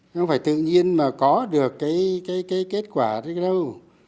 không phải tự nhiên mà có được cái kết quả đến đâu